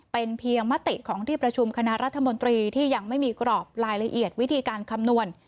เป็นเพียงมติของที่ประชุมคณะรัฐมนตรีที่ยังไม่มีกรอบรายละเอียดวิธีการคำนวณ